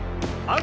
あ。